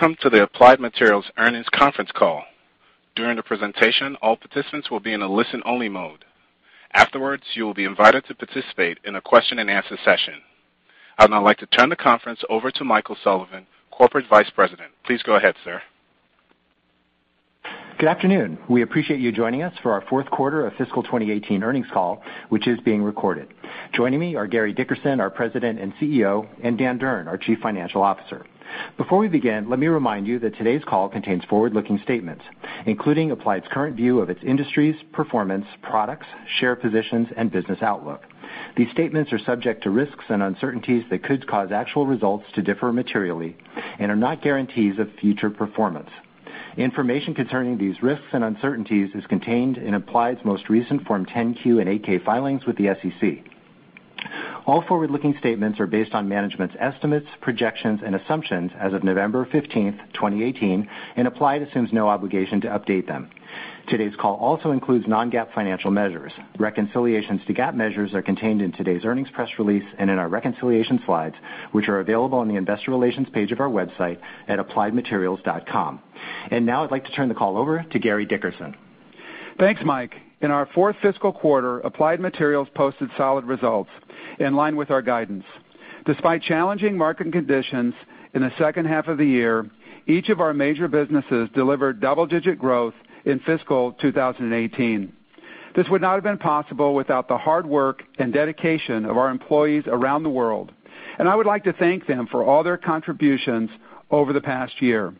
Welcome to the Applied Materials Earnings Conference Call. During the presentation, all participants will be in a listen-only mode. Afterwards, you will be invited to participate in a question-and-answer session. I'd now like to turn the conference over to Michael Sullivan, Corporate Vice President. Please go ahead, sir. Good afternoon. We appreciate you joining us for our fourth quarter of fiscal 2018 earnings call, which is being recorded. Joining me are Gary Dickerson, our President and CEO, and Dan Durn, our Chief Financial Officer. Before we begin, let me remind you that today's call contains forward-looking statements, including Applied's current view of its industry's performance, products, share positions, and business outlook. These statements are subject to risks and uncertainties that could cause actual results to differ materially and are not guarantees of future performance. Information concerning these risks and uncertainties is contained in Applied's most recent Form 10-Q and 8-K filings with the SEC. All forward-looking statements are based on management's estimates, projections, and assumptions as of November 15th, 2018, and Applied assumes no obligation to update them. Today's call also includes non-GAAP financial measures. Reconciliations to GAAP measures are contained in today's earnings press release and in our reconciliation slides, which are available on the investor relations page of our website at appliedmaterials.com. Now I'd like to turn the call over to Gary Dickerson. Thanks, Mike. In our fourth fiscal quarter, Applied Materials posted solid results in line with our guidance. Despite challenging market conditions in the second half of the year, each of our major businesses delivered double-digit growth in fiscal 2018. This would not have been possible without the hard work and dedication of our employees around the world, and I would like to thank them for all their contributions over the past year.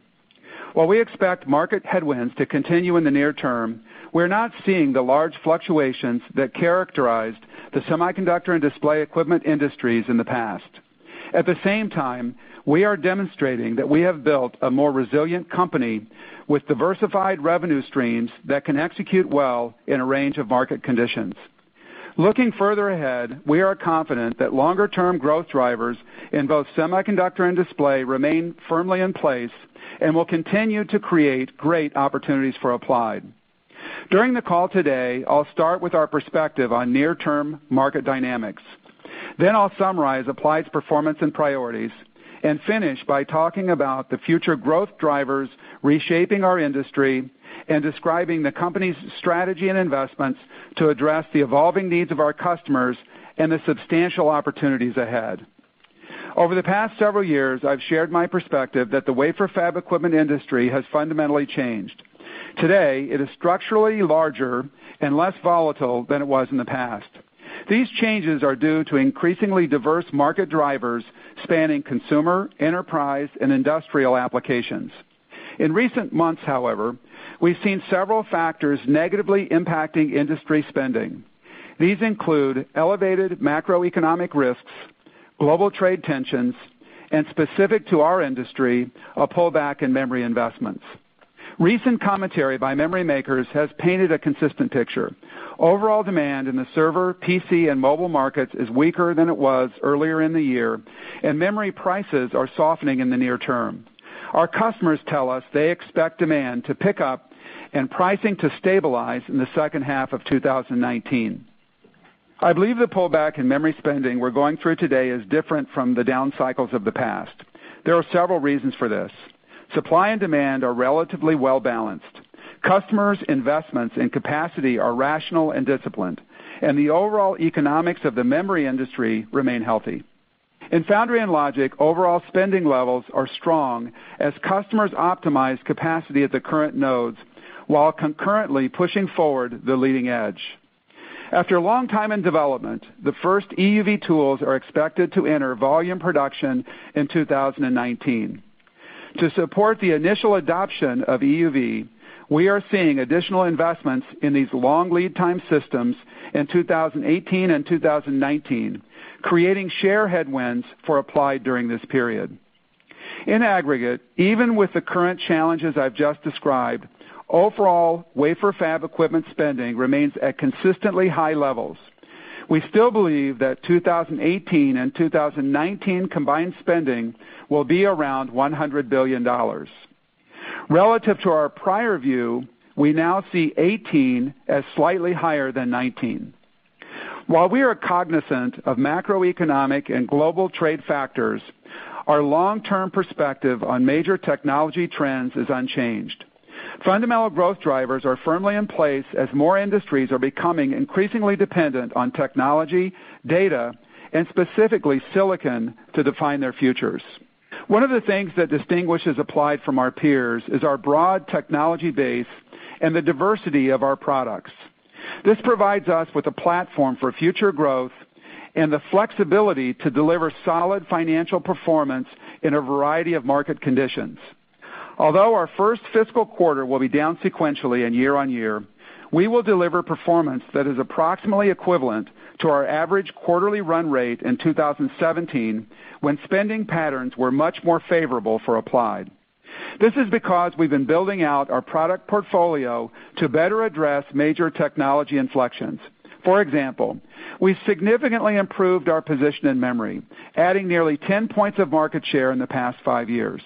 While we expect market headwinds to continue in the near term, we're not seeing the large fluctuations that characterized the semiconductor and display equipment industries in the past. At the same time, we are demonstrating that we have built a more resilient company with diversified revenue streams that can execute well in a range of market conditions. Looking further ahead, we are confident that longer-term growth drivers in both semiconductor and display remain firmly in place and will continue to create great opportunities for Applied. During the call today, I'll start with our perspective on near-term market dynamics. Then I'll summarize Applied's performance and priorities and finish by talking about the future growth drivers reshaping our industry and describing the company's strategy and investments to address the evolving needs of our customers and the substantial opportunities ahead. Over the past several years, I've shared my perspective that the wafer fab equipment industry has fundamentally changed. Today, it is structurally larger and less volatile than it was in the past. These changes are due to increasingly diverse market drivers spanning consumer, enterprise, and industrial applications. In recent months, however, we've seen several factors negatively impacting industry spending. These include elevated macroeconomic risks, global trade tensions, and specific to our industry, a pullback in memory investments. Recent commentary by memory makers has painted a consistent picture. Overall demand in the server, PC, and mobile markets is weaker than it was earlier in the year, and memory prices are softening in the near term. Our customers tell us they expect demand to pick up and pricing to stabilize in the second half of 2019. I believe the pullback in memory spending we're going through today is different from the down cycles of the past. There are several reasons for this. Supply and demand are relatively well-balanced. Customers' investments in capacity are rational and disciplined, and the overall economics of the memory industry remain healthy. In foundry and logic, overall spending levels are strong as customers optimize capacity at the current nodes while concurrently pushing forward the leading edge. After a long time in development, the first EUV tools are expected to enter volume production in 2019. To support the initial adoption of EUV, we are seeing additional investments in these long lead time systems in 2018 and 2019, creating share headwinds for Applied during this period. In aggregate, even with the current challenges I've just described, overall wafer fab equipment spending remains at consistently high levels. We still believe that 2018 and 2019 combined spending will be around $100 billion. Relative to our prior view, we now see 2018 as slightly higher than 2019. While we are cognizant of macroeconomic and global trade factors, our long-term perspective on major technology trends is unchanged. Fundamental growth drivers are firmly in place as more industries are becoming increasingly dependent on technology, data, and specifically silicon to define their futures. One of the things that distinguishes Applied from our peers is our broad technology base and the diversity of our products. This provides us with a platform for future growth and the flexibility to deliver solid financial performance in a variety of market conditions. Although our first fiscal quarter will be down sequentially and year-over-year, we will deliver performance that is approximately equivalent to our average quarterly run rate in 2017, when spending patterns were much more favorable for Applied. This is because we've been building out our product portfolio to better address major technology inflections. For example, we've significantly improved our position in memory, adding nearly 10 points of market share in the past five years.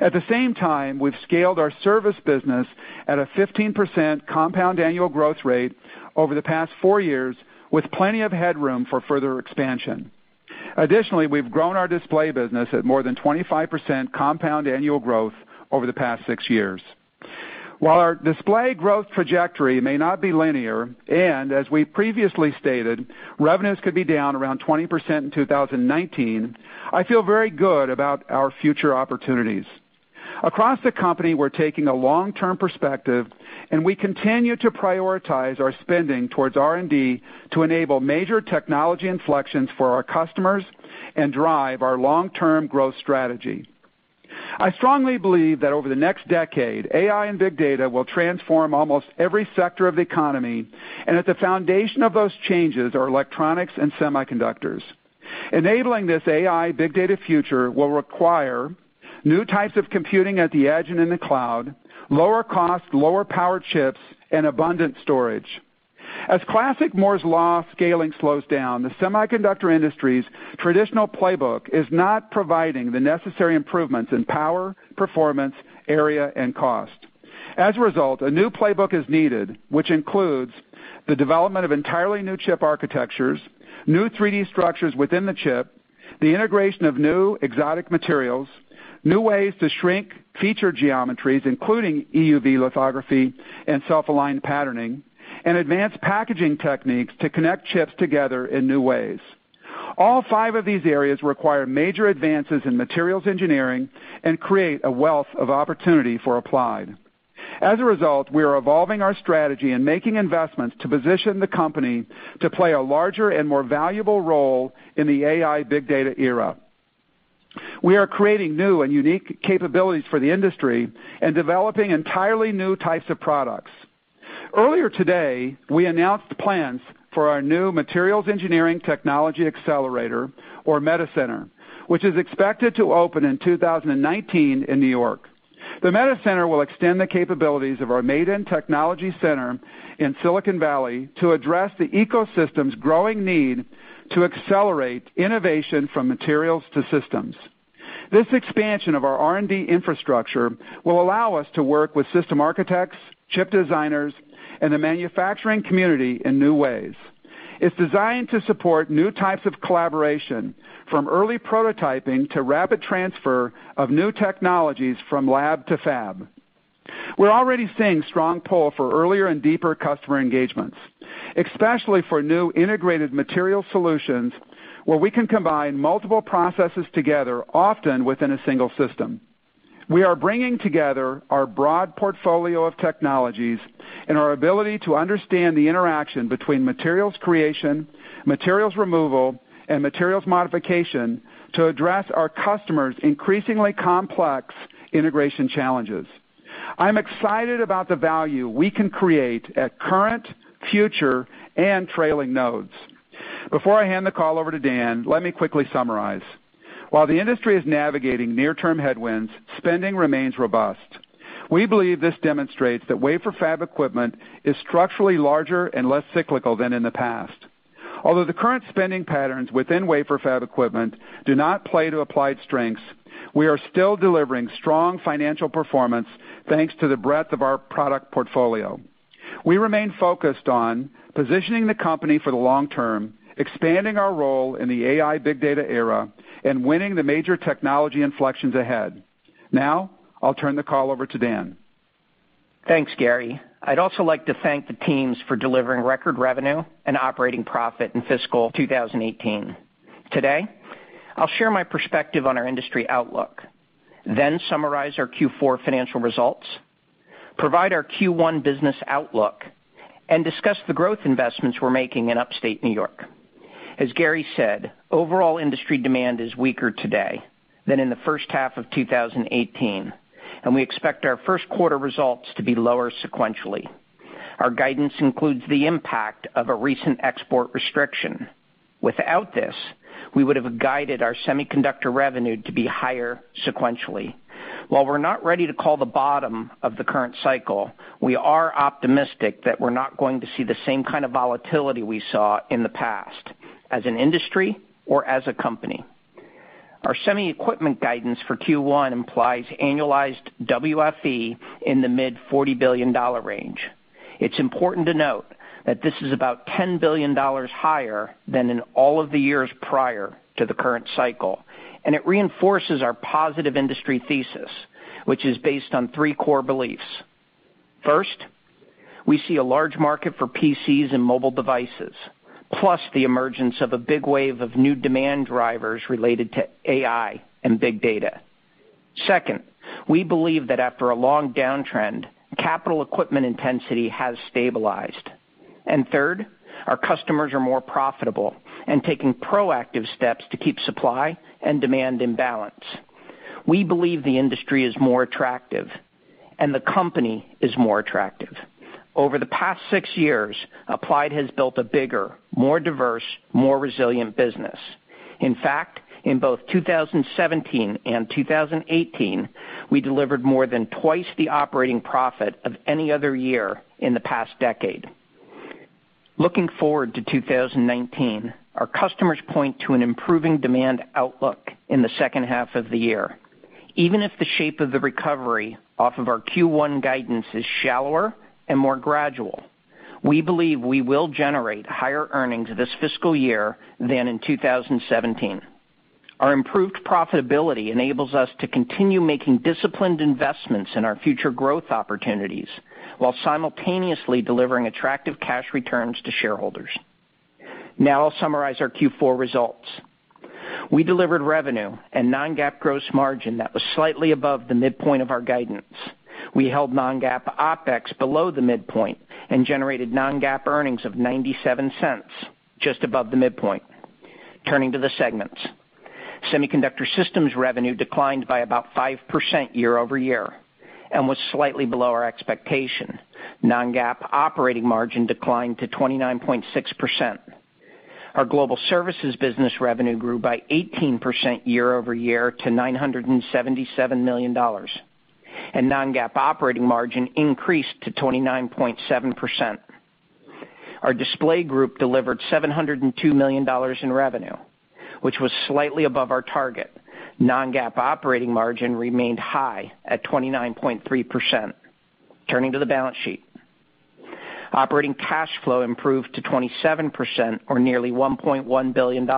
At the same time, we've scaled our service business at a 15% compound annual growth rate over the past four years, with plenty of headroom for further expansion. Additionally, we've grown our display business at more than 25% compound annual growth over the past six years. While our display growth trajectory may not be linear, and as we previously stated, revenues could be down around 20% in 2019, I feel very good about our future opportunities. Across the company, we're taking a long-term perspective, and we continue to prioritize our spending towards R&D to enable major technology inflections for our customers and drive our long-term growth strategy. I strongly believe that over the next decade, AI and big data will transform almost every sector of the economy, and at the foundation of those changes are electronics and semiconductors. Enabling this AI big data future will require new types of computing at the edge and in the cloud, lower cost, lower power chips, and abundant storage. As classic Moore's law scaling slows down, the semiconductor industry's traditional playbook is not providing the necessary improvements in power, performance, area, and cost. As a result, a new playbook is needed, which includes the development of entirely new chip architectures, new 3D structures within the chip, the integration of new exotic materials, new ways to shrink feature geometries, including EUV lithography and self-aligned patterning, and advanced packaging techniques to connect chips together in new ways. All five of these areas require major advances in materials engineering and create a wealth of opportunity for Applied. As a result, we are evolving our strategy and making investments to position the company to play a larger and more valuable role in the AI big data era. We are creating new and unique capabilities for the industry and developing entirely new types of products. Earlier today, we announced plans for our new Materials Engineering Technology Accelerator, or META Center, which is expected to open in 2019 in New York. The META Center will extend the capabilities of our Maydan Technology Center in Silicon Valley to address the ecosystem's growing need to accelerate innovation from materials to systems. This expansion of our R&D infrastructure will allow us to work with system architects, chip designers, and the manufacturing community in new ways. It's designed to support new types of collaboration, from early prototyping to rapid transfer of new technologies from lab to fab. We're already seeing strong pull for earlier and deeper customer engagements, especially for new integrated material solutions where we can combine multiple processes together, often within a single system. We are bringing together our broad portfolio of technologies and our ability to understand the interaction between materials creation, materials removal, and materials modification to address our customers' increasingly complex integration challenges. I'm excited about the value we can create at current, future, and trailing nodes. Before I hand the call over to Dan, let me quickly summarize. While the industry is navigating near-term headwinds, spending remains robust. We believe this demonstrates that wafer fab equipment is structurally larger and less cyclical than in the past. Although the current spending patterns within wafer fab equipment do not play to Applied's strengths, we are still delivering strong financial performance, thanks to the breadth of our product portfolio. We remain focused on positioning the company for the long term, expanding our role in the AI big data era, and winning the major technology inflections ahead. Now, I'll turn the call over to Dan. Thanks, Gary. I'd also like to thank the teams for delivering record revenue and operating profit in fiscal 2018. Today, I'll share my perspective on our industry outlook, summarize our Q4 financial results, provide our Q1 business outlook, discuss the growth investments we're making in upstate New York. As Gary said, overall industry demand is weaker today than in the first half of 2018, we expect our first quarter results to be lower sequentially. Our guidance includes the impact of a recent export restriction. Without this, we would have guided our semiconductor revenue to be higher sequentially. While we're not ready to call the bottom of the current cycle, we are optimistic that we're not going to see the same kind of volatility we saw in the past, as an industry or as a company. Our semi equipment guidance for Q1 implies annualized WFE in the mid $40 billion range. It's important to note that this is about $10 billion higher than in all of the years prior to the current cycle, it reinforces our positive industry thesis, which is based on three core beliefs. First, we see a large market for PCs and mobile devices, plus the emergence of a big wave of new demand drivers related to AI and big data. Second, we believe that after a long downtrend, capital equipment intensity has stabilized. Third, our customers are more profitable taking proactive steps to keep supply and demand in balance. We believe the industry is more attractive and the company is more attractive. Over the past six years, Applied has built a bigger, more diverse, more resilient business. In fact, in both 2017 and 2018, we delivered more than twice the operating profit of any other year in the past decade. Looking forward to 2019, our customers point to an improving demand outlook in the second half of the year. Even if the shape of the recovery off of our Q1 guidance is shallower and more gradual, we believe we will generate higher earnings this fiscal year than in 2017. Our improved profitability enables us to continue making disciplined investments in our future growth opportunities while simultaneously delivering attractive cash returns to shareholders. Now I'll summarize our Q4 results. We delivered revenue and non-GAAP gross margin that was slightly above the midpoint of our guidance. We held non-GAAP OpEx below the midpoint and generated non-GAAP earnings of $0.97, just above the midpoint. Turning to the segments. Semiconductor systems revenue declined by about 5% year-over-year and was slightly below our expectation. Non-GAAP operating margin declined to 29.6%. Our global services business revenue grew by 18% year-over-year to $977 million, and non-GAAP operating margin increased to 29.7%. Our display group delivered $702 million in revenue, which was slightly above our target. Non-GAAP operating margin remained high at 29.3%. Turning to the balance sheet, operating cash flow improved to 27%, or nearly $1.1 billion.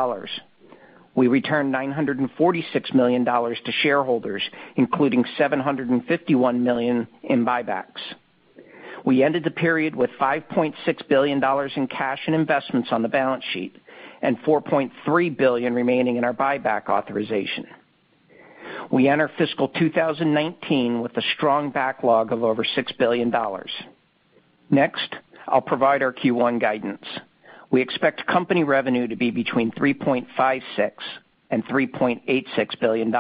We returned $946 million to shareholders, including $751 million in buybacks. We ended the period with $5.6 billion in cash and investments on the balance sheet, and $4.3 billion remaining in our buyback authorization. We enter fiscal 2019 with a strong backlog of over $6 billion. Next, I'll provide our Q1 guidance. We expect company revenue to be between $3.56 billion and $3.86 billion.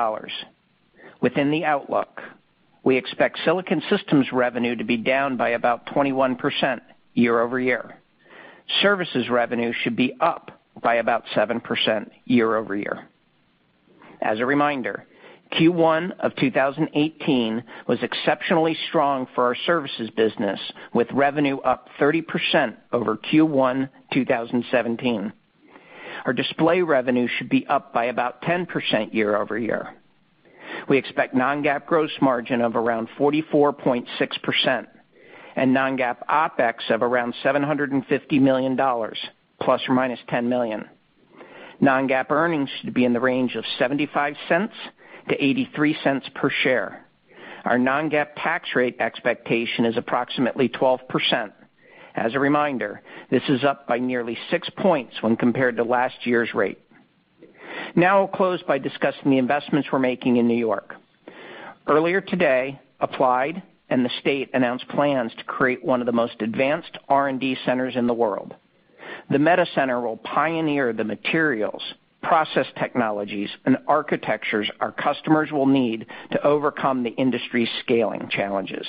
Within the outlook, we expect silicon systems revenue to be down by about 21% year-over-year. Services revenue should be up by about 7% year-over-year. As a reminder, Q1 of 2018 was exceptionally strong for our services business, with revenue up 30% over Q1 2017. Our display revenue should be up by about 10% year-over-year. We expect non-GAAP gross margin of around 44.6% and non-GAAP OpEx of around $750 million ±$10 million. Non-GAAP earnings should be in the range of $0.75-$0.83 per share. Our non-GAAP tax rate expectation is approximately 12%. As a reminder, this is up by nearly six points when compared to last year's rate. I'll close by discussing the investments we're making in New York. Earlier today, Applied and the state announced plans to create one of the most advanced R&D centers in the world. The META Center will pioneer the materials, process technologies, and architectures our customers will need to overcome the industry's scaling challenges.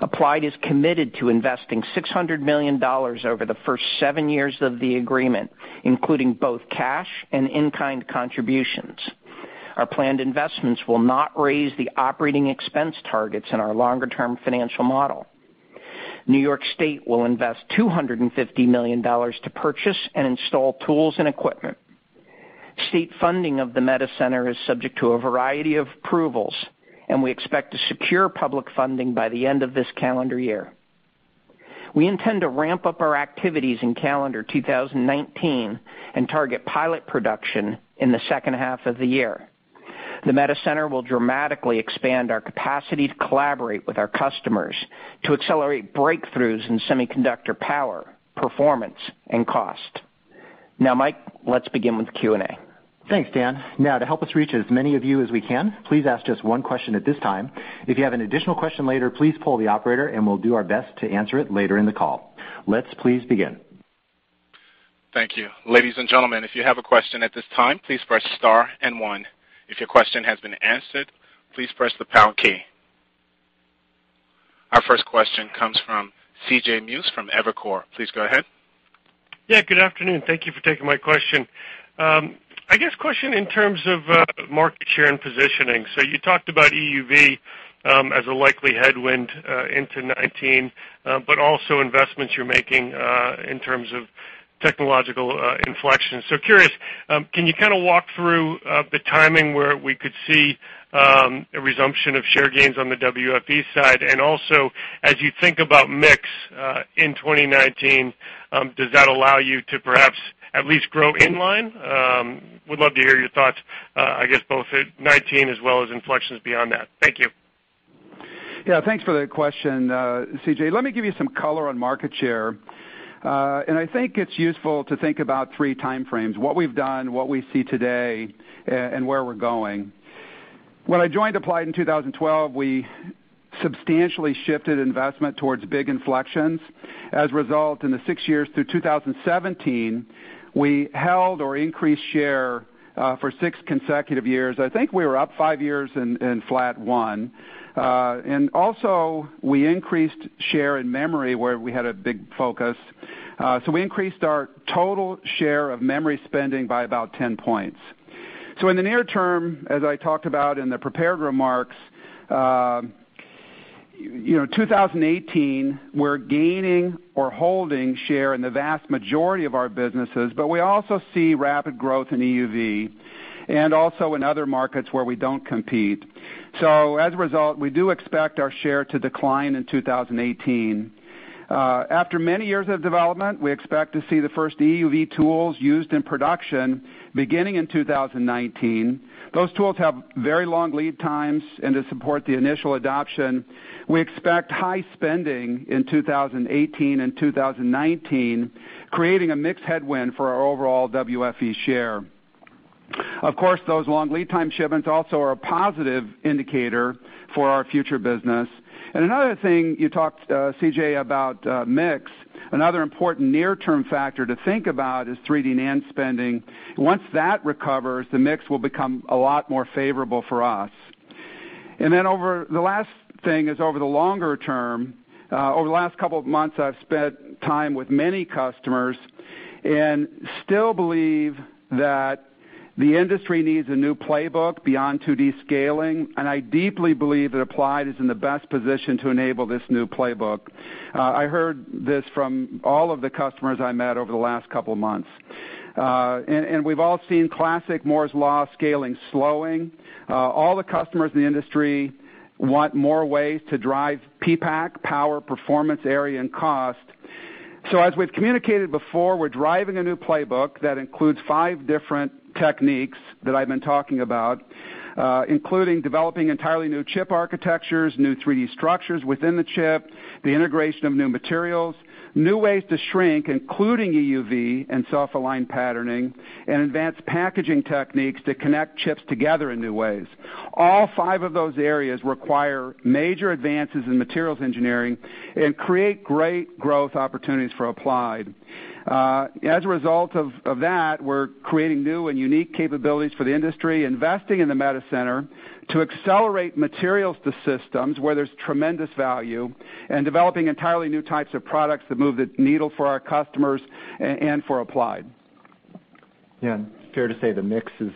Applied is committed to investing $600 million over the first seven years of the agreement, including both cash and in-kind contributions. Our planned investments will not raise the operating expense targets in our longer-term financial model. New York State will invest $250 million to purchase and install tools and equipment. State funding of the META Center is subject to a variety of approvals, and we expect to secure public funding by the end of this calendar year. We intend to ramp up our activities in calendar 2019 and target pilot production in the second half of the year. The META Center will dramatically expand our capacity to collaborate with our customers to accelerate breakthroughs in semiconductor power, performance, and cost. Mike, let's begin with Q&A. Thanks, Dan. To help us reach as many of you as we can, please ask just one question at this time. If you have an additional question later, please poll the operator, and we'll do our best to answer it later in the call. Let's please begin. Thank you. Ladies and gentlemen, if you have a question at this time, please press star and one. If your question has been answered, please press the pound key. Our first question comes from CJ Muse from Evercore. Please go ahead. Yeah, good afternoon. Thank you for taking my question. I guess question in terms of market share and positioning. You talked about EUV as a likely headwind into 2019, but also investments you're making in terms of technological inflection. Curious, can you kind of walk through the timing where we could see a resumption of share gains on the WFE side? Also, as you think about mix in 2019, does that allow you to perhaps at least grow in line? Would love to hear your thoughts, I guess both 2019 as well as inflections beyond that. Thank you. Yeah, thanks for the question, C.J. Let me give you some color on market share. I think it's useful to think about three time frames, what we've done, what we see today, and where we're going. When I joined Applied in 2012, we substantially shifted investment towards big inflections. As a result, in the six years through 2017, we held or increased share for six consecutive years. I think we were up five years and flat one. Also, we increased share in memory where we had a big focus. We increased our total share of memory spending by about 10 points. In the near term, as I talked about in the prepared remarks, 2018, we're gaining or holding share in the vast majority of our businesses, but we also see rapid growth in EUV and also in other markets where we don't compete. As a result, we do expect our share to decline in 2018. After many years of development, we expect to see the first EUV tools used in production beginning in 2019. Those tools have very long lead times, and to support the initial adoption, we expect high spending in 2018 and 2019, creating a mix headwind for our overall WFE share. Of course, those long lead time shipments also are a positive indicator for our future business. Another thing, you talked, C.J., about mix. Another important near-term factor to think about is 3D NAND spending. Once that recovers, the mix will become a lot more favorable for us. The last thing is over the longer term, over the last couple of months, I've spent time with many customers and still believe that the industry needs a new playbook beyond 2D scaling, I deeply believe that Applied is in the best position to enable this new playbook. I heard this from all of the customers I met over the last couple of months. We've all seen classic Moore's law scaling slowing. All the customers in the industry want more ways to drive PPAC, power, performance, area, and cost. As we've communicated before, we're driving a new playbook that includes five different techniques that I've been talking about, including developing entirely new chip architectures, new 3D structures within the chip, the integration of new materials, new ways to shrink, including EUV and self-aligned patterning, and advanced packaging techniques to connect chips together in new ways. All five of those areas require major advances in materials engineering and create great growth opportunities for Applied. As a result of that, we're creating new and unique capabilities for the industry, investing in the META Center to accelerate materials to systems where there's tremendous value, developing entirely new types of products that move the needle for our customers and for Applied. Fair to say the mix is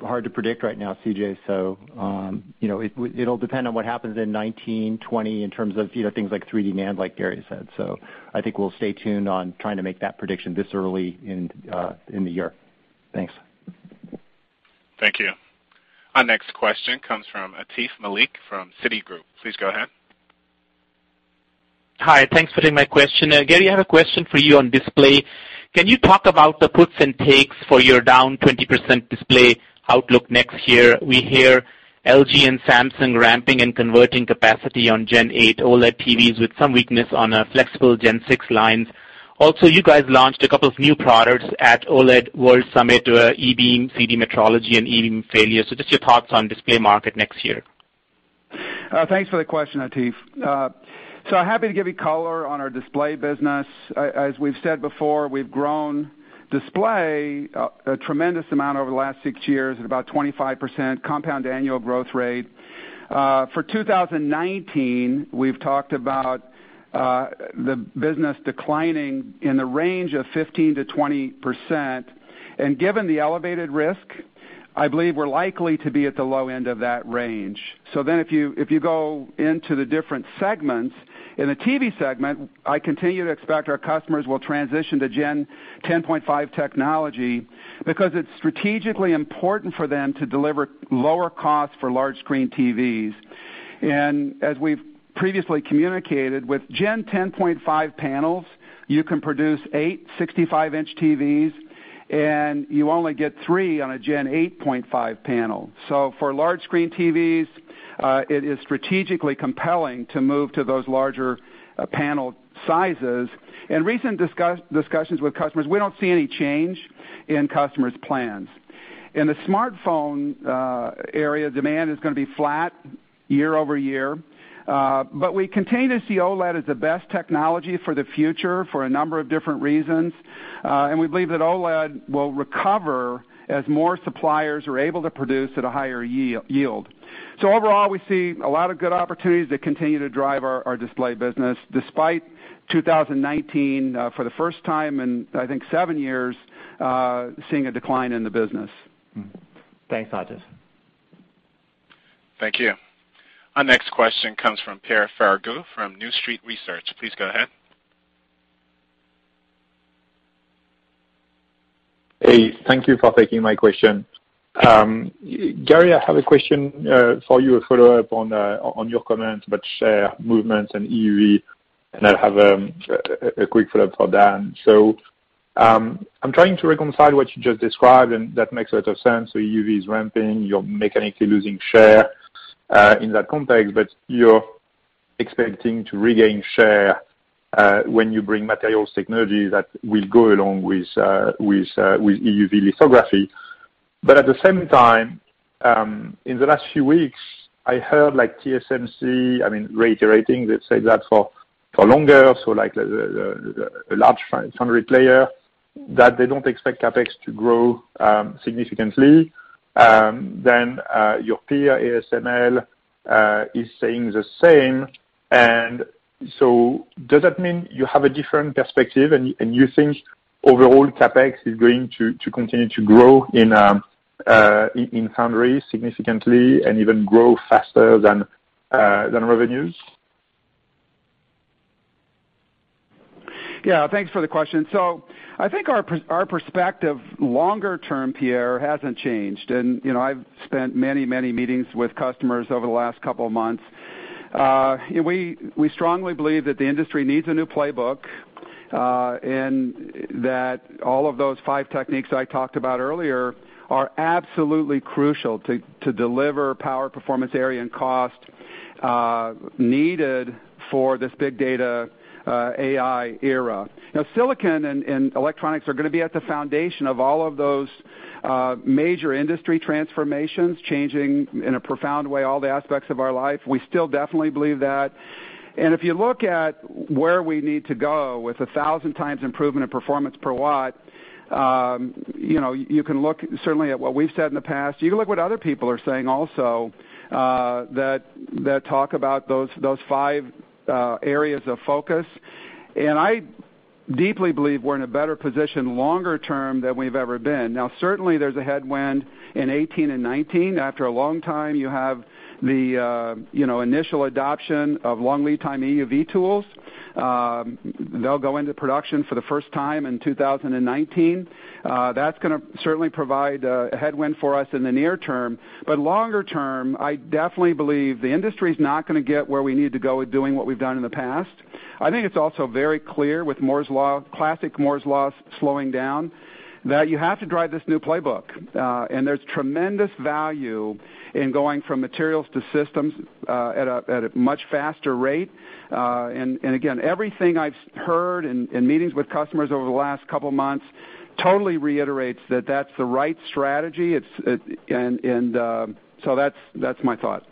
hard to predict right now, C.J., it'll depend on what happens in 2019, 2020, in terms of things like 3D NAND, like Gary said. I think we'll stay tuned on trying to make that prediction this early in the year. Thanks. Thank you. Our next question comes from Atif Malik from Citigroup. Please go ahead. Hi, thanks for taking my question. Gary, I have a question for you on display. Can you talk about the puts and takes for your -20% display outlook next year? We hear LG and Samsung ramping and converting capacity on Gen 8 OLED TVs with some weakness on flexible Gen 6 lines. You guys launched a couple of new products at OLEDs World Summit, E-beam, CD metrology, and E-beam failure. Just your thoughts on display market next year. Thanks for the question, Atif. Happy to give you color on our display business. As we've said before, we've grown display a tremendous amount over the last six years at about 25% CAGR. For 2019, we've talked about the business declining in the range of 15%-20%. Given the elevated risk, I believe we're likely to be at the low end of that range. If you go into the different segments, in the TV segment, I continue to expect our customers will transition to Gen 10.5 technology because it's strategically important for them to deliver lower cost for large screen TVs. As we've previously communicated, with Gen 10.5 panels, you can produce 8 65-inch TVs, and you only get three on a Gen 8.5 panel. For large screen TVs, it is strategically compelling to move to those larger panel sizes. In recent discussions with customers, we don't see any change in customers' plans. In the smartphone area, demand is going to be flat year-over-year. We continue to see OLED as the best technology for the future for a number of different reasons. We believe that OLED will recover as more suppliers are able to produce at a higher yield. Overall, we see a lot of good opportunities that continue to drive our display business, despite 2019, for the first time in, I think, seven years, seeing a decline in the business. Thanks, Atif Malik. Thank you. Our next question comes from Pierre Ferragu from New Street Research. Please go ahead. Hey, thank you for taking my question. Gary, I have a question for you, a follow-up on your comments about share movements and EUV, and I have a quick follow-up for Dan. I'm trying to reconcile what you just described, and that makes a lot of sense. EUV is ramping, you're mechanically losing share in that context, but you're expecting to regain share when you bring materials technology that will go along with EUV lithography. At the same time, in the last few weeks, I heard TSMC, reiterating, let's say that for longer, like the large foundry player, that they don't expect CapEx to grow significantly. Your peer, ASML, is saying the same, does that mean you have a different perspective, and you think overall CapEx is going to continue to grow in foundries significantly and even grow faster than revenues? Thanks for the question. I think our perspective longer term, Pierre, hasn't changed. I've spent many, many meetings with customers over the last couple of months. We strongly believe that the industry needs a new playbook, and that all of those five techniques I talked about earlier are absolutely crucial to deliver power, performance, area, and cost needed for this big data AI era. Silicon and electronics are going to be at the foundation of all of those major industry transformations, changing in a profound way all the aspects of our life. We still definitely believe that. If you look at where we need to go with 1,000 times improvement in performance per watt, you can look certainly at what we've said in the past. You can look what other people are saying also that talk about those five areas of focus. I deeply believe we're in a better position longer term than we've ever been. Now, certainly there's a headwind in 2018 and 2019. After a long time, you have the initial adoption of long lead time EUV tools. They'll go into production for the first time in 2019. That's going to certainly provide a headwind for us in the near term. Longer term, I definitely believe the industry's not going to get where we need to go with doing what we've done in the past. I think it's also very clear with Moore's law, classic Moore's law slowing down, that you have to drive this new playbook. There's tremendous value in going from materials to systems at a much faster rate. Again, everything I've heard in meetings with customers over the last couple of months totally reiterates that that's the right strategy, that's my thought.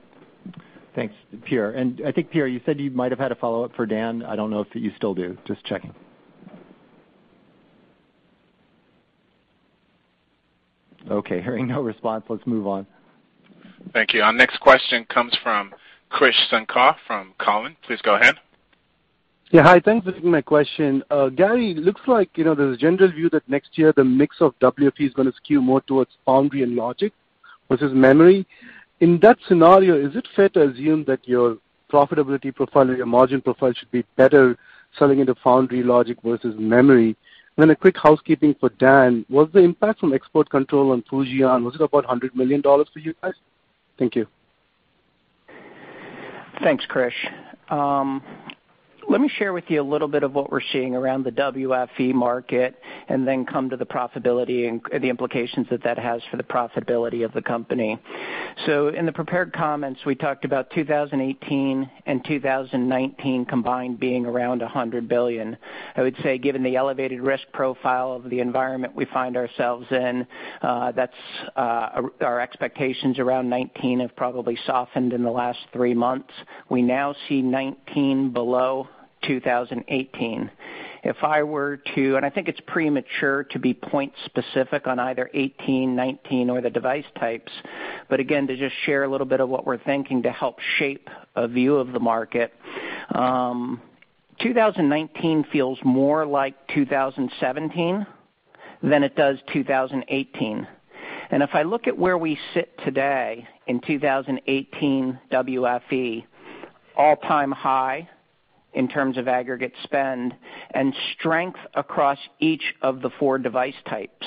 Thanks, Pierre. I think, Pierre, you said you might have had a follow-up for Dan. I don't know if you still do. Just checking. Okay, hearing no response, let's move on. Thank you. Our next question comes from Krish Sankar from Cowen. Please go ahead. Yeah. Hi, thanks for taking my question. Gary, it looks like there's a general view that next year the mix of WFE is going to skew more towards foundry and logic versus memory. In that scenario, is it fair to assume that your profitability profile or your margin profile should be better selling into foundry logic versus memory? Then a quick housekeeping for Dan. Was the impact from export control on Fujian, was it about $100 million for you guys? Thank you. Thanks, Krish. Let me share with you a little bit of what we're seeing around the WFE market and then come to the profitability and the implications that that has for the profitability of the company. In the prepared comments, we talked about 2018 and 2019 combined being around $100 billion. I would say given the elevated risk profile of the environment we find ourselves in, our expectations around 2019 have probably softened in the last three months. We now see 2019 below 2018. If I were to, I think it's premature to be point-specific on either 2018, 2019, or the device types, but again, to just share a little bit of what we're thinking to help shape a view of the market, 2019 feels more like 2017 than it does 2018. If I look at where we sit today in 2018 WFE, all-time high in terms of aggregate spend and strength across each of the four device types.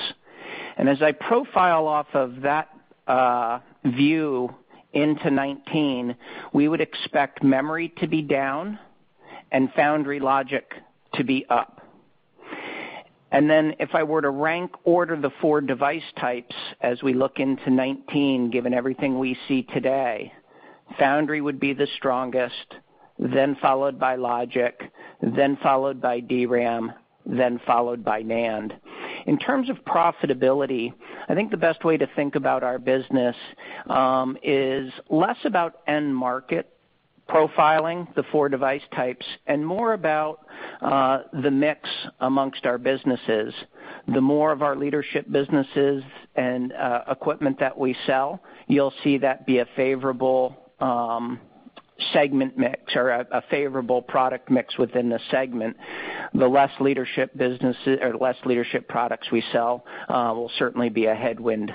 As I profile off of that view into 2019, we would expect memory to be down and foundry logic to be up. If I were to rank order the 4 device types as we look into 2019, given everything we see today, foundry would be the strongest, then followed by logic, then followed by DRAM, then followed by NAND. In terms of profitability, I think the best way to think about our business is less about end market profiling the 4 device types, and more about the mix amongst our businesses. The more of our leadership businesses and equipment that we sell, you'll see that be a favorable segment mix or a favorable product mix within the segment. The less leadership products we sell will certainly be a headwind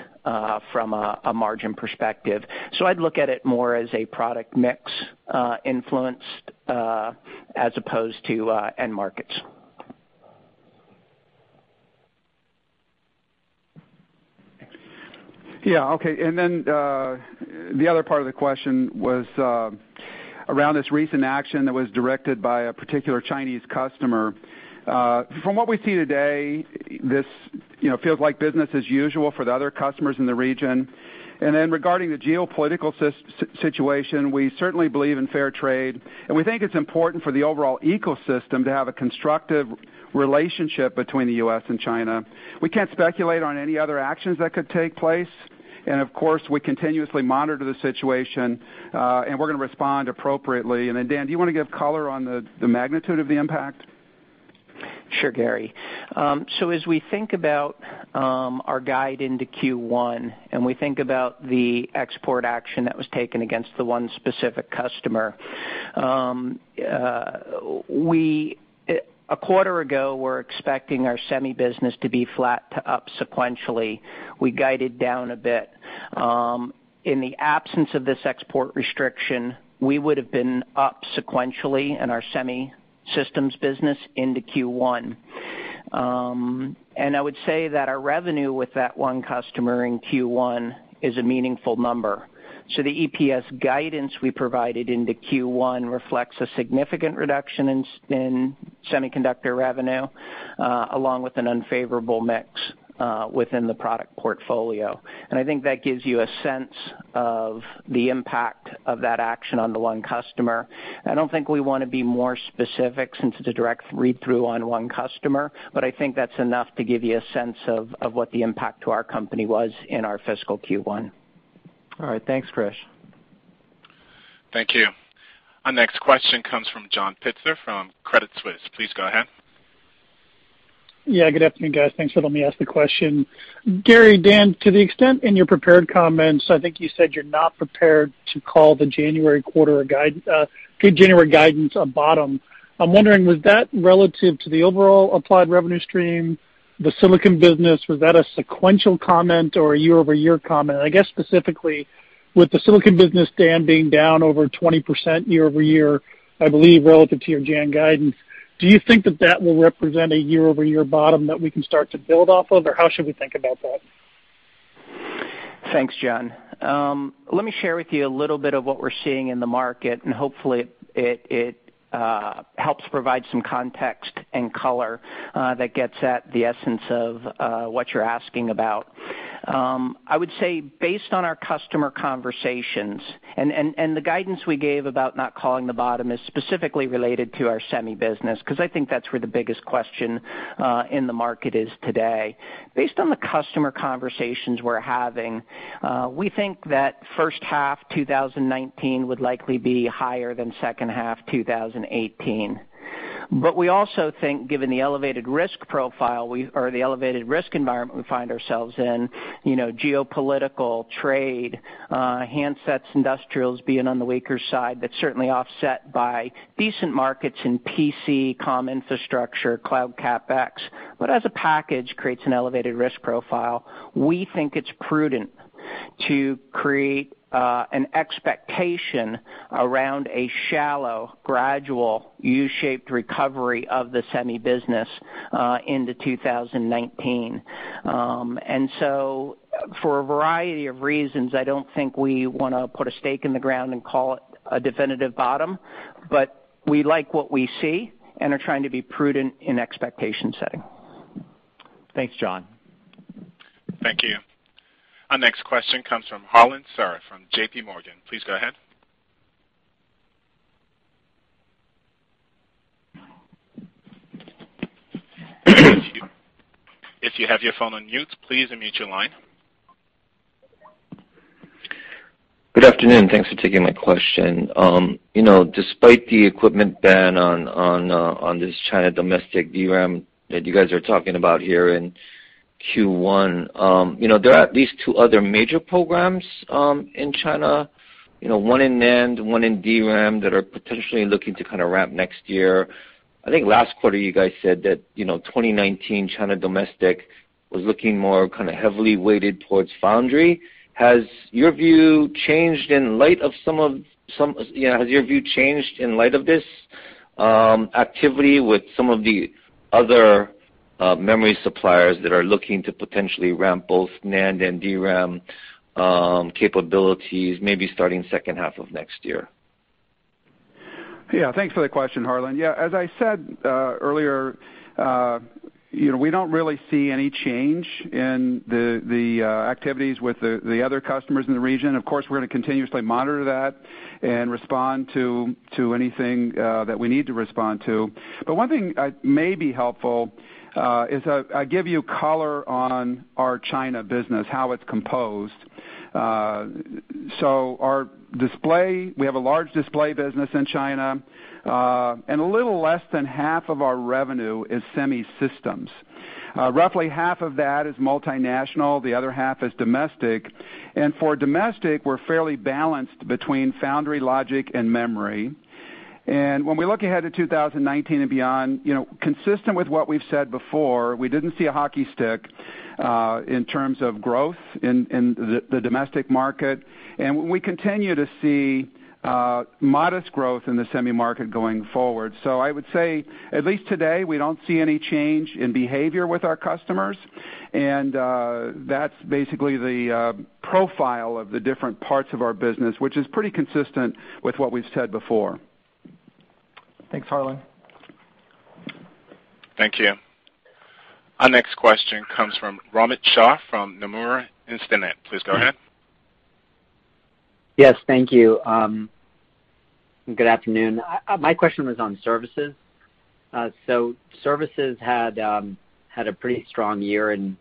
from a margin perspective. I'd look at it more as a product mix influence as opposed to end markets. Yeah. Okay, the other part of the question was around this recent action that was directed by a particular Chinese customer. From what we see today, this feels like business as usual for the other customers in the region. Regarding the geopolitical situation, we certainly believe in fair trade, and we think it's important for the overall ecosystem to have a constructive relationship between the U.S. and China. We can't speculate on any other actions that could take place, of course, we continuously monitor the situation, we're going to respond appropriately. Dan, do you want to give color on the magnitude of the impact? Sure, Gary. As we think about our guide into Q1, we think about the export action that was taken against the one specific customer, a quarter ago, we're expecting our semi business to be flat to up sequentially. We guided down a bit. In the absence of this export restriction, we would have been up sequentially in our semi systems business into Q1. I would say that our revenue with that one customer in Q1 is a meaningful number. The EPS guidance we provided into Q1 reflects a significant reduction in semiconductor revenue, along with an unfavorable mix within the product portfolio. I think that gives you a sense of the impact of that action on the one customer. I don't think we want to be more specific since it's a direct read-through on one customer, I think that's enough to give you a sense of what the impact to our company was in our fiscal Q1. All right. Thanks, Krish. Thank you. Our next question comes from John Pitzer from Credit Suisse. Please go ahead. Good afternoon, guys. Thanks for letting me ask the question. Gary, Dan, to the extent in your prepared comments, I think you said you're not prepared to call the January quarter guidance a bottom. I'm wondering, was that relative to the overall Applied revenue stream, the silicon business? Was that a sequential comment or a year-over-year comment? I guess specifically, with the silicon business, Dan, being down over 20% year-over-year, I believe, relative to your Jan guidance, do you think that that will represent a year-over-year bottom that we can start to build off of? Or how should we think about that? Thanks, John. Let me share with you a little bit of what we're seeing in the market, hopefully it helps provide some context and color that gets at the essence of what you're asking about. I would say based on our customer conversations, the guidance we gave about not calling the bottom is specifically related to our semi business, because I think that's where the biggest question in the market is today. Based on the customer conversations we're having, we think that first half 2019 would likely be higher than second half 2018. We also think, given the elevated risk profile or the elevated risk environment we find ourselves in, geopolitical trade, handsets, industrials being on the weaker side, that's certainly offset by decent markets in PC, comm infrastructure, cloud CapEx, as a package creates an elevated risk profile. We think it's prudent to create an expectation around a shallow, gradual U-shaped recovery of the semi business into 2019. For a variety of reasons, I don't think we want to put a stake in the ground and call it a definitive bottom, we like what we see and are trying to be prudent in expectation setting. Thanks, John. Thank you. Our next question comes from Harlan Sur from JPMorgan. Please go ahead. If you have your phone on mute, please unmute your line. Good afternoon, thanks for taking my question. Despite the equipment ban on this China domestic DRAM that you guys are talking about here in Q1, there are at least two other major programs in China, one in NAND, one in DRAM, that are potentially looking to kind of ramp next year. I think last quarter, you guys said that 2019 China domestic was looking more kind of heavily weighted towards foundry. Has your view changed in light of this activity with some of the other memory suppliers that are looking to potentially ramp both NAND and DRAM capabilities, maybe starting second half of next year? Thanks for the question, Harlan. As I said earlier, we don't really see any change in the activities with the other customers in the region. Of course, we're going to continuously monitor that and respond to anything that we need to respond to. One thing that may be helpful is I give you color on our China business, how it's composed. Our display, we have a large display business in China, a little less than half of our revenue is semi systems. Roughly half of that is multinational, the other half is domestic. For domestic, we're fairly balanced between foundry logic and memory. When we look ahead to 2019 and beyond, consistent with what we've said before, we didn't see a hockey stick in terms of growth in the domestic market. We continue to see modest growth in the semi market going forward. I would say, at least today, we don't see any change in behavior with our customers. That's basically the profile of the different parts of our business, which is pretty consistent with what we've said before. Thanks, Harlan. Thank you. Our next question comes from Amit Shah from Nomura Instinet. Please go ahead. Yes, thank you. Good afternoon. My question was on services. Services had a pretty strong year in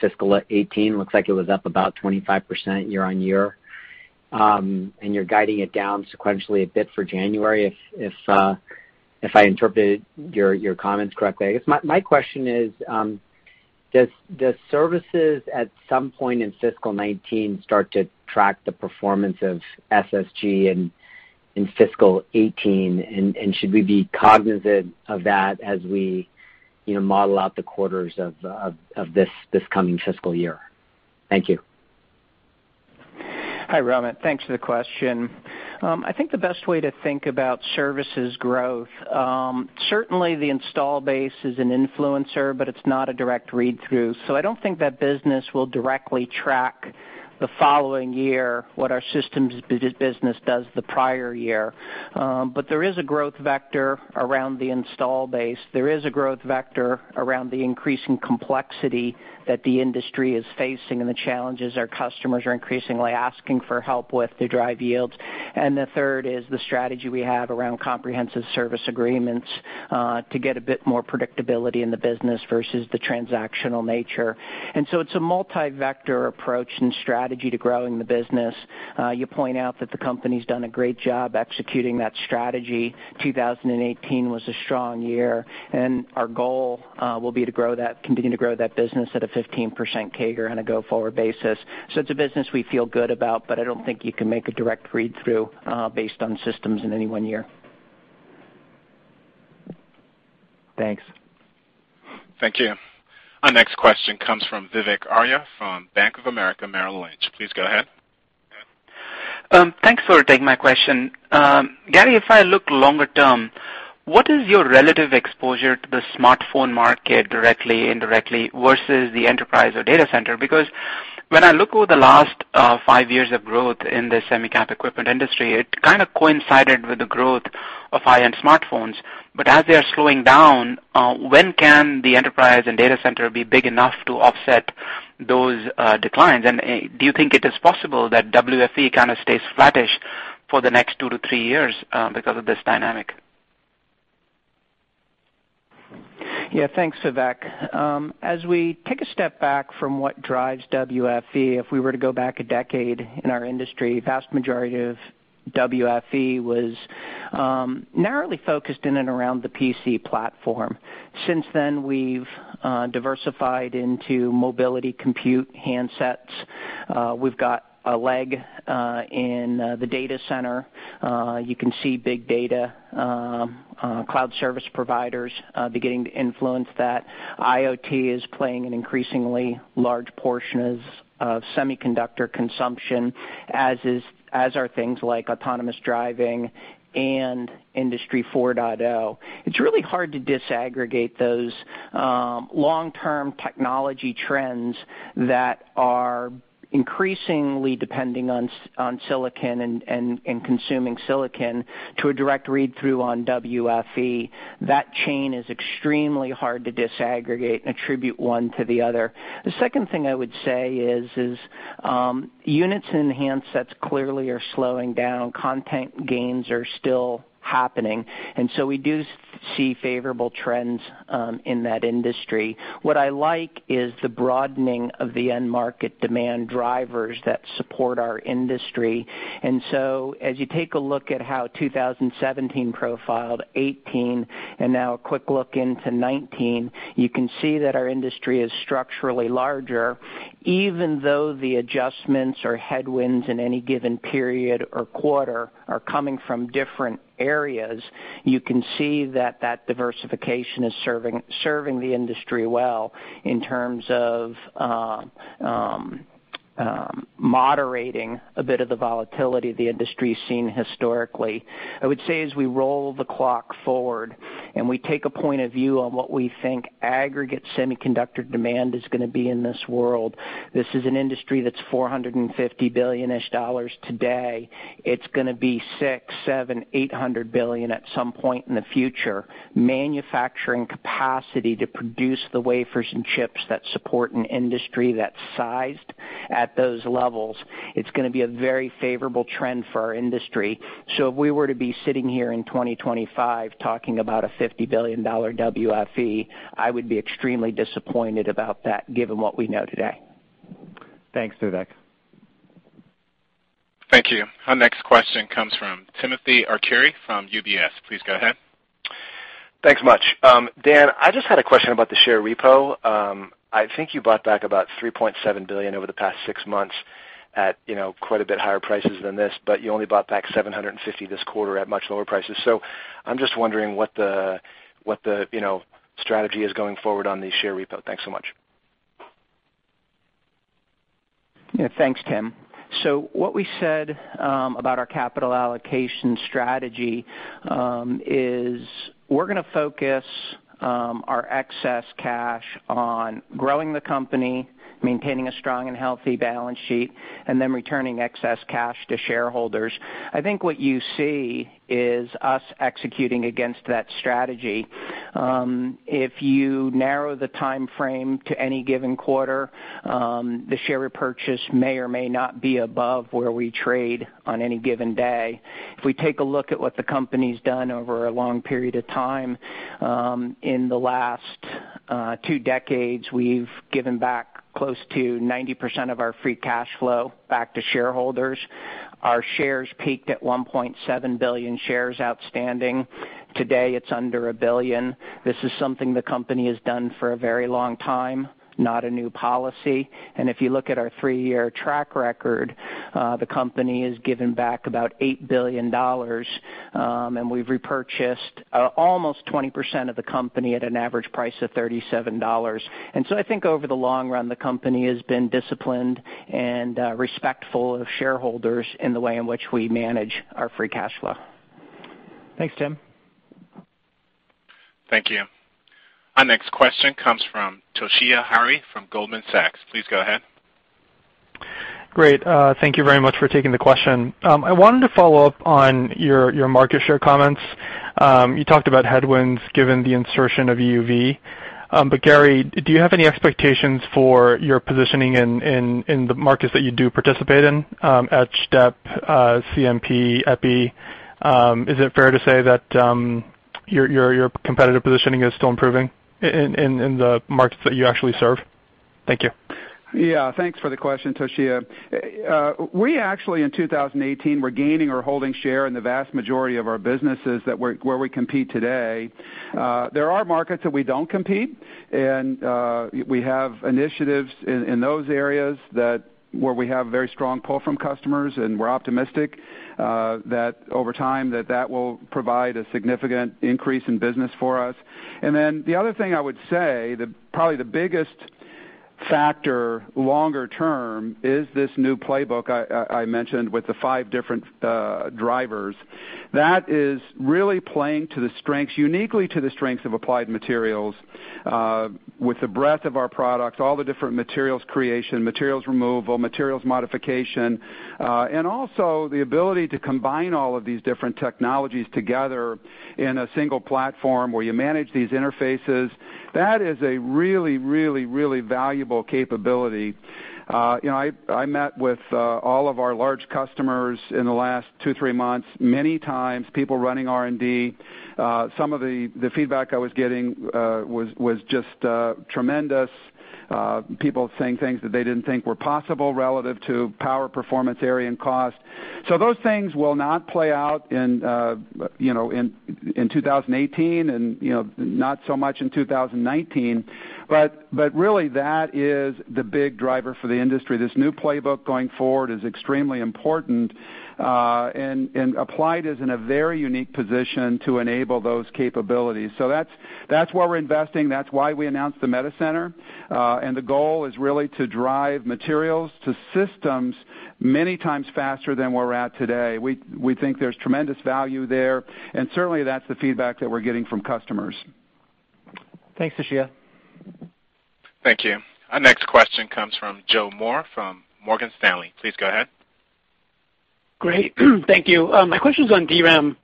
fiscal 2018. Looks like it was up about 25% year-on-year. You're guiding it down sequentially a bit for January, if I interpreted your comments correctly. I guess my question is, does services at some point in fiscal 2019 start to track the performance of SSG in fiscal 2018, and should we be cognizant of that as we model out the quarters of this coming fiscal year? Thank you. Hi, Amit. Thanks for the question. I think the best way to think about services growth, certainly the install base is an influencer, it's not a direct read-through, so I don't think that business will directly track the following year what our systems business does the prior year. There is a growth vector around the install base. There is a growth vector around the increasing complexity that the industry is facing and the challenges our customers are increasingly asking for help with to drive yields. The third is the strategy we have around comprehensive service agreements, to get a bit more predictability in the business versus the transactional nature. It's a multi-vector approach and strategy to growing the business. You point out that the company's done a great job executing that strategy. 2018 was a strong year, our goal will be to continue to grow that business at a 15% CAGR on a go-forward basis. It's a business we feel good about, I don't think you can make a direct read-through based on systems in any one year. Thanks. Thank you. Our next question comes from Vivek Arya from Bank of America Merrill Lynch. Please go ahead. Thanks for taking my question. Gary, if I look longer term, what is your relative exposure to the smartphone market directly, indirectly versus the enterprise or data center? When I look over the last five years of growth in the semi-cap equipment industry, it kind of coincided with the growth of high-end smartphones. As they are slowing down, when can the enterprise and data center be big enough to offset those declines? Do you think it is possible that WFE kind of stays flattish for the next two to three years because of this dynamic? Thanks, Vivek. As we take a step back from what drives WFE, if we were to go back a decade in our industry, vast majority of WFE was narrowly focused in and around the PC platform. Since then, we've diversified into mobility compute handsets. We've got a leg in the data center. You can see big data, cloud service providers beginning to influence that. IoT is playing an increasingly large portion of semiconductor consumption, as are things like autonomous driving and industry 4.0. It's really hard to disaggregate those long-term technology trends that are increasingly depending on silicon and consuming silicon to a direct read-through on WFE. That chain is extremely hard to disaggregate and attribute one to the other. The second thing I would say is, units in handsets clearly are slowing down. Content gains are still happening, we do see favorable trends in that industry. What I like is the broadening of the end market demand drivers that support our industry. As you take a look at how 2017 profiled, 2018, and now a quick look into 2019, you can see that our industry is structurally larger. Even though the adjustments or headwinds in any given period or quarter are coming from different areas, you can see that that diversification is serving the industry well in terms of moderating a bit of the volatility the industry's seen historically. I would say as we roll the clock forward and we take a point of view on what we think aggregate semiconductor demand is going to be in this world, this is an industry that's $450 billion-ish today. It's going to be $600, $700, $800 billion at some point in the future. Manufacturing capacity to produce the wafers and chips that support an industry that's sized at those levels, it's going to be a very favorable trend for our industry. If we were to be sitting here in 2025 talking about a $50 billion WFE, I would be extremely disappointed about that given what we know today. Thanks, Vivek. Thank you. Our next question comes from Timothy Arcuri from UBS. Please go ahead. Thanks much. Dan, I just had a question about the share repo. I think you bought back about $3.7 billion over the past six months at quite a bit higher prices than this, but you only bought back $750 this quarter at much lower prices. I'm just wondering what the strategy is going forward on the share repo. Thanks so much. Thanks, Tim. What we said about our capital allocation strategy, is we're going to focus our excess cash on growing the company, maintaining a strong and healthy balance sheet, and then returning excess cash to shareholders. I think what you see is us executing against that strategy. If you narrow the time frame to any given quarter, the share repurchase may or may not be above where we trade on any given day. If we take a look at what the company's done over a long period of time, in the last two decades, we've given back close to 90% of our free cash flow back to shareholders. Our shares peaked at 1.7 billion shares outstanding. Today, it's under a billion. This is something the company has done for a very long time, not a new policy. If you look at our three-year track record, the company has given back about $8 billion, and we've repurchased almost 20% of the company at an average price of $37. I think over the long run, the company has been disciplined and respectful of shareholders in the way in which we manage our free cash flow. Thanks, Tim. Thank you. Our next question comes from Toshiya Hari from Goldman Sachs. Please go ahead. Great. Thank you very much for taking the question. I wanted to follow up on your market share comments. You talked about headwinds given the insertion of EUV. Gary, do you have any expectations for your positioning in the markets that you do participate in, etch step CMP, EPI? Is it fair to say that your competitive positioning is still improving in the markets that you actually serve? Thank you. Thanks for the question, Toshiya. We actually, in 2018, were gaining or holding share in the vast majority of our businesses where we compete today. There are markets that we don't compete, and we have initiatives in those areas where we have very strong pull from customers, and we're optimistic that over time that will provide a significant increase in business for us. The other thing I would say, probably the biggest factor longer term is this new playbook I mentioned with the five different drivers. That is really playing uniquely to the strengths of Applied Materials, with the breadth of our products, all the different materials creation, materials removal, materials modification, and also the ability to combine all of these different technologies together in a single platform where you manage these interfaces. That is a really, really, really valuable capability. I met with all of our large customers in the last two, three months, many times, people running R&D. Some of the feedback I was getting was just tremendous. People saying things that they didn't think were possible relative to power, performance, area, and cost. Those things will not play out in 2018 and not so much in 2019, but really that is the big driver for the industry. This new playbook going forward is extremely important, and Applied is in a very unique position to enable those capabilities. That's where we're investing. That's why we announced the META Center. The goal is really to drive materials to systems many times faster than where we're at today. We think there's tremendous value there, and certainly, that's the feedback that we're getting from customers. Thanks, Toshiya. Thank you. Our next question comes from Joe Moore from Morgan Stanley. Please go ahead. Great. Thank you. My question's on DRAM.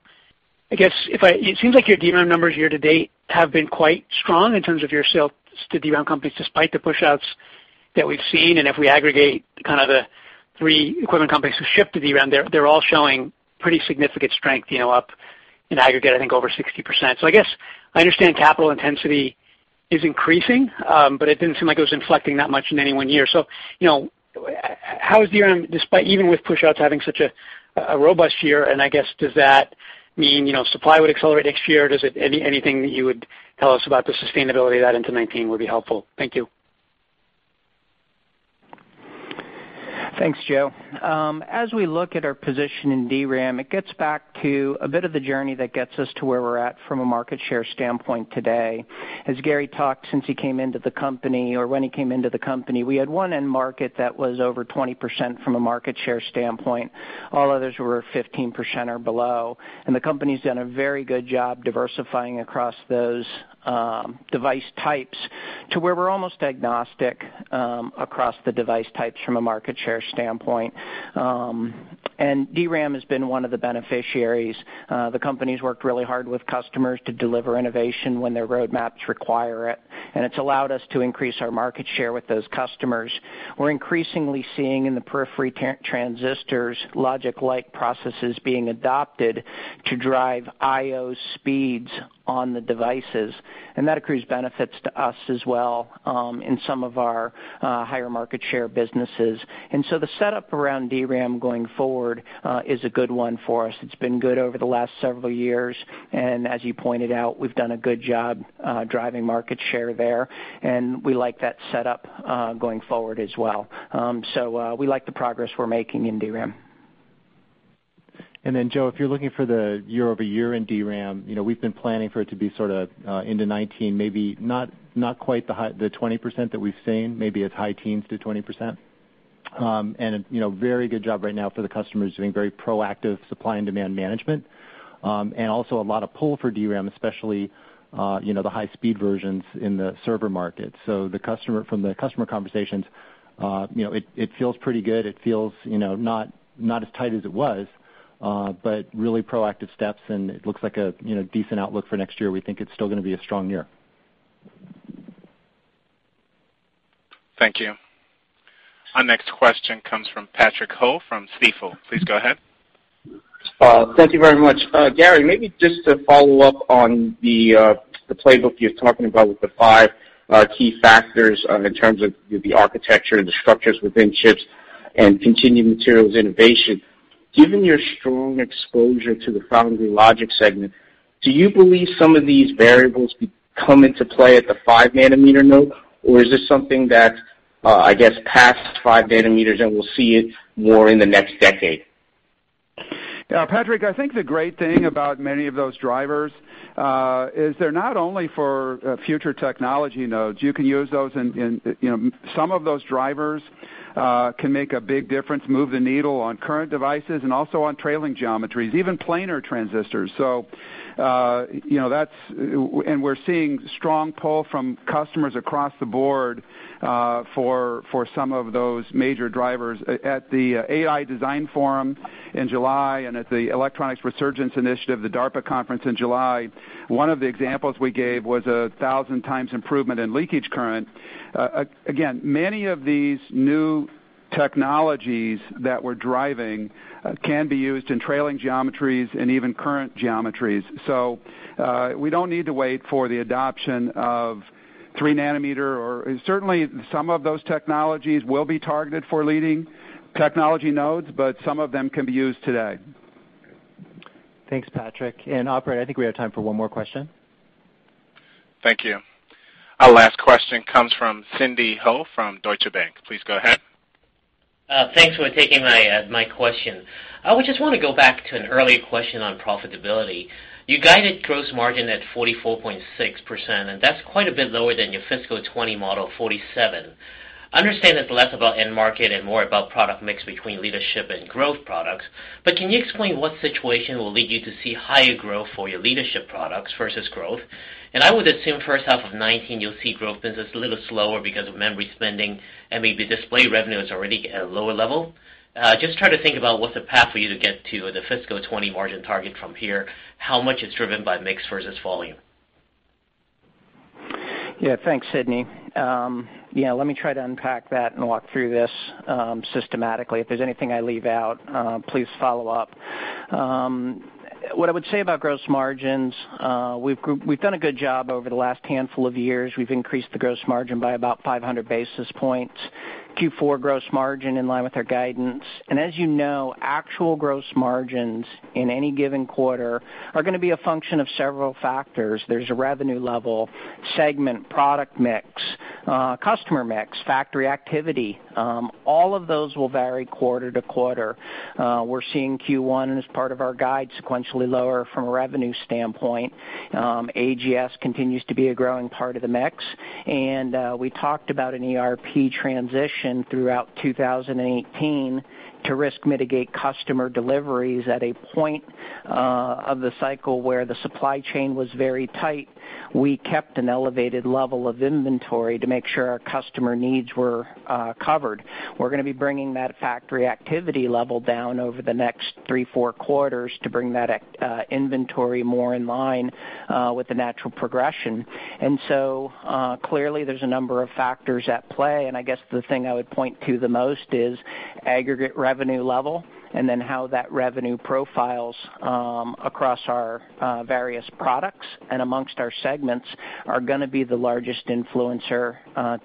I guess, it seems like your DRAM numbers year-to-date have been quite strong in terms of your sales to DRAM companies, despite the pushouts that we've seen. If we aggregate the three equivalent companies who ship to DRAM, they're all showing pretty significant strength, up in aggregate, I think over 60%. I guess I understand capital intensity is increasing, but it didn't seem like it was inflecting that much in any one year. How is DRAM, despite even with pushouts, having such a robust year, and I guess, does that mean supply would accelerate next year? Anything that you would tell us about the sustainability of that into 2019 would be helpful. Thank you. Thanks, Joe. As we look at our position in DRAM, it gets back to a bit of the journey that gets us to where we're at from a market share standpoint today. As Gary talked, since he came into the company or when he came into the company, we had one end market that was over 20% from a market share standpoint. All others were 15% or below. The company's done a very good job diversifying across those device types to where we're almost agnostic across the device types from a market share standpoint. DRAM has been one of the beneficiaries. The company's worked really hard with customers to deliver innovation when their roadmaps require it, and it's allowed us to increase our market share with those customers. We're increasingly seeing in the periphery transistors logic-like processes being adopted to drive IO speeds on the devices, and that accrues benefits to us as well in some of our higher market share businesses. The setup around DRAM going forward is a good one for us. It's been good over the last several years, and as you pointed out, we've done a good job driving market share there, and we like that setup going forward as well. We like the progress we're making in DRAM. Joe, if you're looking for the year-over-year in DRAM, we've been planning for it to be into 2019, maybe not quite the 20% that we've seen, maybe it's high teens to 20%. Very good job right now for the customers doing very proactive supply and demand management. Also a lot of pull for DRAM, especially the high-speed versions in the server market. From the customer conversations, it feels pretty good. It feels not as tight as it was, but really proactive steps, and it looks like a decent outlook for next year. We think it's still going to be a strong year. Thank you. Our next question comes from Patrick Ho from Stifel. Please go ahead. Thank you very much. Gary, maybe just to follow up on the playbook you're talking about with the five key factors in terms of the architecture and the structures within chips and continued materials innovation. Given your strong exposure to the foundry logic segment, do you believe some of these variables come into play at the 5-nanometer node, or is this something that, I guess, past 5 nanometers, and we'll see it more in the next decade? Yeah, Patrick, I think the great thing about many of those drivers, is they're not only for future technology nodes. Some of those drivers can make a big difference, move the needle on current devices and also on trailing geometries, even planar transistors. We're seeing strong pull from customers across the board for some of those major drivers. At the AI Design Forum in July and at the Electronics Resurgence Initiative, the DARPA conference in July, one of the examples we gave was 1,000 times improvement in leakage current. Again, many of these new technologies that we're driving can be used in trailing geometries and even current geometries. We don't need to wait for the adoption of 3 nanometer. Certainly, some of those technologies will be targeted for leading technology nodes, but some of them can be used today. Thanks, Patrick. Operator, I think we have time for one more question. Thank you. Our last question comes from Sidney Ho from Deutsche Bank. Please go ahead. Thanks for taking my question. I just want to go back to an earlier question on profitability. You guided gross margin at 44.6%, and that's quite a bit lower than your fiscal 2020 model of 47%. Can you explain what situation will lead you to see higher growth for your leadership products versus growth? I would assume first half of 2019, you'll see growth business a little slower because of memory spending and maybe display revenue is already at a lower level. Just trying to think about what the path for you to get to the fiscal 2020 margin target from here, how much is driven by mix versus volume? Yeah, thanks, Sidney. Let me try to unpack that and walk through this systematically. If there's anything I leave out, please follow up. What I would say about gross margins, we've done a good job over the last handful of years. We've increased the gross margin by about 500 basis points, Q4 gross margin in line with our guidance. As you know, actual gross margins in any given quarter are going to be a function of several factors. There's a revenue level, segment, product mix, customer mix, factory activity. All of those will vary quarter to quarter. We're seeing Q1 as part of our guide sequentially lower from a revenue standpoint. AGS continues to be a growing part of the mix, and we talked about an ERP transition throughout 2018 to risk mitigate customer deliveries at a point of the cycle where the supply chain was very tight. We kept an elevated level of inventory to make sure our customer needs were covered. We're going to be bringing that factory activity level down over the next three, four quarters to bring that inventory more in line with the natural progression. Clearly, there's a number of factors at play, and I guess the thing I would point to the most is aggregate revenue level and then how that revenue profiles across our various products and amongst our segments are going to be the largest influencer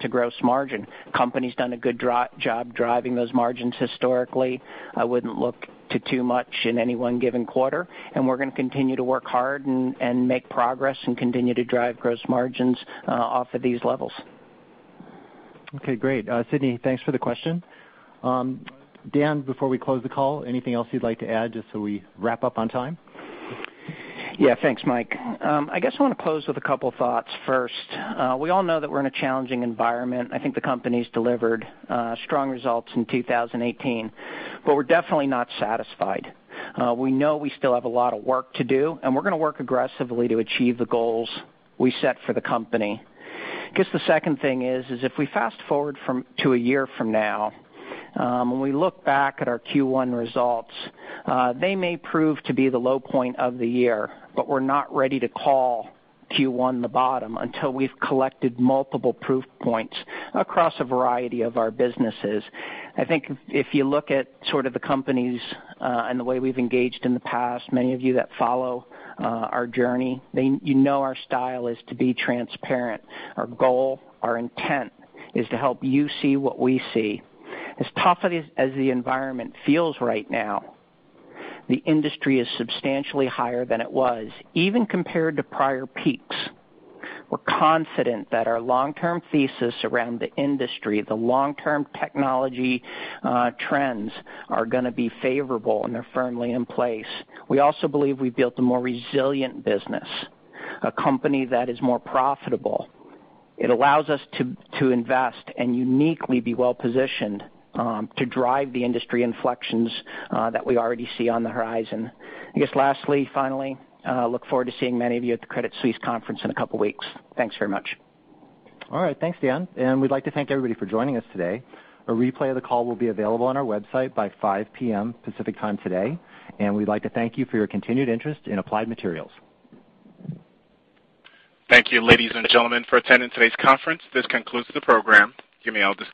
to gross margin. Company's done a good job driving those margins historically. I wouldn't look to too much in any one given quarter, and we're going to continue to work hard and make progress and continue to drive gross margins off of these levels. Okay, great. Sidney, thanks for the question. Dan, before we close the call, anything else you'd like to add just so we wrap up on time? Yeah, thanks, Mike. I guess I want to close with a couple thoughts. First, we all know that we're in a challenging environment. I think the company's delivered strong results in 2018. We're definitely not satisfied. We know we still have a lot of work to do. We're going to work aggressively to achieve the goals we set for the company. I guess the second thing is, if we fast-forward to a year from now, when we look back at our Q1 results, they may prove to be the low point of the year. We're not ready to call Q1 the bottom until we've collected multiple proof points across a variety of our businesses. I think if you look at sort of the companies. The way we've engaged in the past, many of you that follow our journey, you know our style is to be transparent. Our goal, our intent, is to help you see what we see. As tough as the environment feels right now, the industry is substantially higher than it was, even compared to prior peaks. We're confident that our long-term thesis around the industry, the long-term technology trends, are going to be favorable. They're firmly in place. We also believe we've built a more resilient business, a company that is more profitable. It allows us to invest and uniquely be well-positioned to drive the industry inflections that we already see on the horizon. I guess lastly, finally, look forward to seeing many of you at the Credit Suisse conference in a couple of weeks. Thanks very much. All right. Thanks, Dan. We'd like to thank everybody for joining us today. A replay of the call will be available on our website by 5:00 P.M. Pacific Time today. We'd like to thank you for your continued interest in Applied Materials. Thank you, ladies and gentlemen, for attending today's conference. This concludes the program. You may all disconnect.